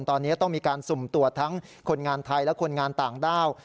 ตอนนี้ต้องมีการสุ่มตรวจทั้งคนงานไทยและคนงานต่างด้าว